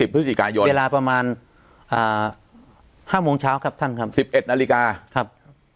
พฤศจิกายนเวลาประมาณ๕โมงเช้าครับท่านครับ๑๑นาฬิกาครับ